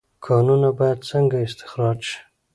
کانونه باید څنګه استخراج شي؟